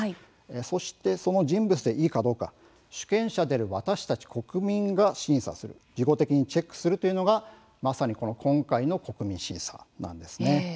そしてその人物でいいかどうか主権者である私たち国民が審査する、事後的にチェックするというのが、まさにこの今回の「国民審査」なんですね。